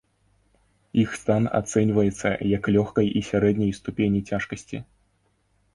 Іх стан ацэньваецца як лёгкай і сярэдняй ступені цяжкасці.